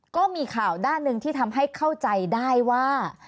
ก็มีข่าวด้านหนึ่งที่ทำให้เข้าใจได้ว่า